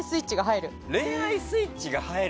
恋愛スイッチが入る。